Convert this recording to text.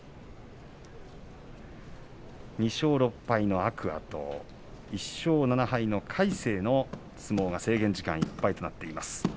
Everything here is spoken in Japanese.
２勝６敗の天空海と１勝７敗の魁聖の相撲が制限時間いっぱいとなっています。